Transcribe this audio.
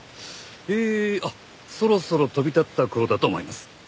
えーあっそろそろ飛び立った頃だと思います。